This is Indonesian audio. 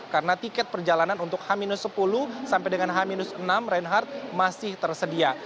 karena tiket perjalanan untuk h sepuluh sampai dengan h enam reinhardt masih tersedia